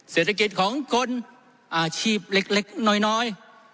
เศรษฐกิจของคนอาชีพเล็กน้อย